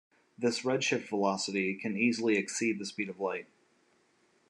This redshift velocity can easily exceed the speed of light.